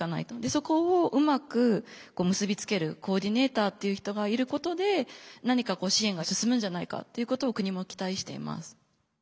そこをうまく結び付けるコーディネーターという人がいることで何か支援が進むんじゃないかっていうことを国も期待しています。